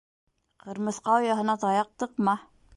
Ҡырмыҫҡа ояһына таяҡ тыҡма.